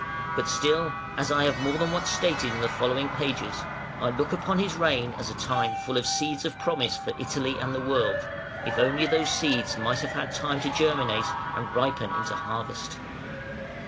But still, as I have more than once stated in the following pages, I look upon his reign as a time full of seeds of promise for Italy and the world, if only these seeds might have had time to germinate and ripen into harvest.